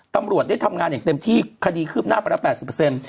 ตำรวจได้ทำงานอย่างเต็มที่คดีคืบหน้าไปแล้วแปดสิบเปอร์เซ็นต์